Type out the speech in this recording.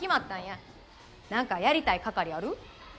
何かやりたい係ある？